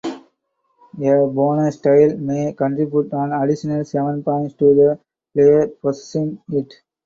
A bonus tile may contribute an additional seven points to the player possessing it.